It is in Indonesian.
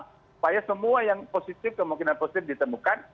supaya semua yang positif kemungkinan positif ditemukan